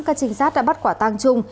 các trinh sát đã bắt quả tang chung